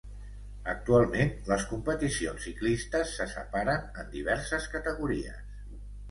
Actualment les competicions ciclistes se separen en diverses categories.